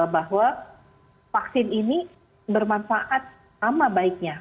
bahwa vaksin ini bermanfaat sama baiknya